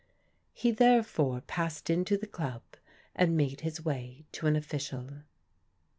He therefore passed into the dub, and made his way to an official.